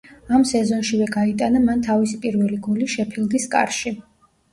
ამ სეზონშივე გაიტანა მან თავისი პირველი გოლი „შეფილდის“ კარში.